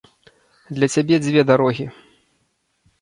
Для цябе дзве дарогі.